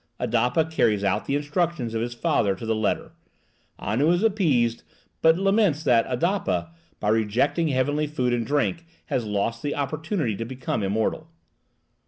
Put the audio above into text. Adapa carries out the instructions of his father to the letter. Anu is appeased, but laments that Adapa, by rejecting heavenly food and drink, has lost the opportunity to become immortal.